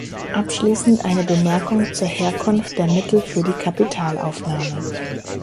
Abschließend eine Bemerkung zur Herkunft der Mittel für die Kapitalaufnahme.